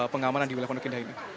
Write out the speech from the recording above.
pengamanan di wilayah pondok indah ini